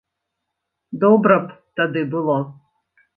Добра б тады было.